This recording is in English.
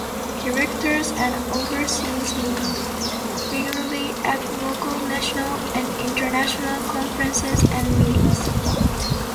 Directors and overseers meet regularly at local, national, and international conferences and meetings.